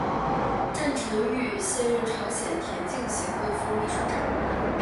郑成玉现任朝鲜田径协会副秘书长。